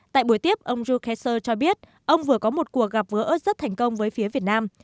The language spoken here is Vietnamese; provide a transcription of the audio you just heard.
tại buổi tiếp ông jokeser cho biết ông vừa có một cuộc gặp gỡ rất thành công với phía việt nam